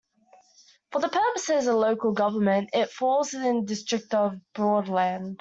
For the purposes of local government, it falls within the district of Broadland.